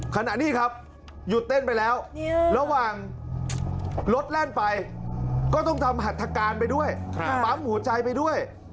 ขณะนี้ครับหยุดเต้นไปแล้วระหว่างรถแล่นไปก็ต้องทำหัตถการไปด้วยปั๊มหัวใจไปด้วย